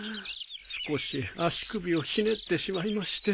少し足首をひねってしまいまして。